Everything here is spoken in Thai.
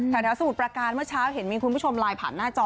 แถวสมุทรประการเมื่อเช้าเห็นมีคุณผู้ชมไลน์ผ่านหน้าจอ